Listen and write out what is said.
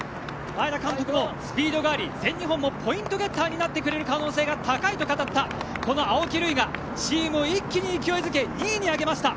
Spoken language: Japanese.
前田監督もスピードがあり全日本のポイントゲッターになってくれる可能性が高いと語った青木瑠郁がチームを一気に勢いづけ２位に上げました。